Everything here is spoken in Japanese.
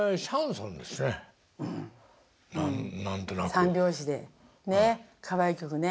３拍子でねっかわいい曲ね。